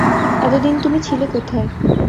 এতদিন তুমি ছিলে কোথায়?